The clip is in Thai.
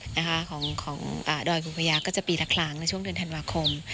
นะคะของดอยคุณพญาก็จะปีละครั้งในช่วงเดือนธันวาคม